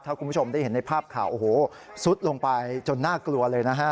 ถ้าคุณผู้ชมได้เห็นในภาพข่าวโอ้โหซุดลงไปจนน่ากลัวเลยนะฮะ